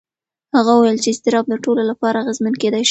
هغه وویل چې اضطراب د ټولو لپاره اغېزمن کېدای شي.